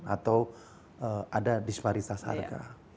atau ada disparitas harga